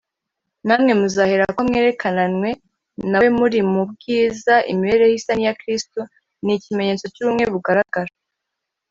na mwe muzaherako mwerekananwe na We muri mu bwiza.imibereho isa n'iya Kristo ni ikimenyetso cy'ubumwe bugaragara